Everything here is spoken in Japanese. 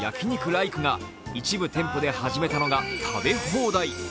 ライクが一部店舗で始めたのが食べ放題。